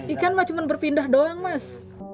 ikan mah cuma berpindah doang mas